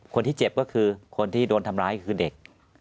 คนที่เจ็บก็คือคนที่โดนทำร้ายคือเด็ก